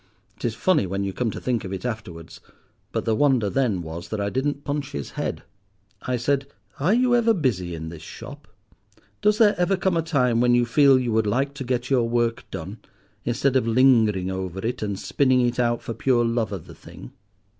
It is funny when you come to think of it afterwards, but the wonder then was that I didn't punch his head. "I said, 'Are you ever busy in this shop? Does there ever come a time when you feel you would like to get your work done, instead of lingering over it and spinning it out for pure love of the thing?